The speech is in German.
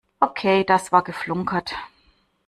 Okay, das war geflunkert.